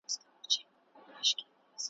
خو اوس نه وینمه هیڅ سامان په سترګو ,